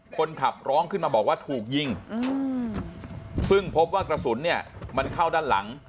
คนขับร้องขึ้นมาบอกว่าถูกยิงซึ่งพบว่ากระสุนเนี่ยมันเข้าด้านหลัง